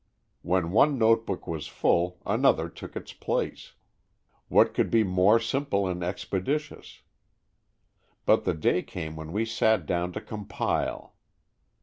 When one notebook was full, another took its place. What could be more simple and expeditious? But the day came when we sat down to compile.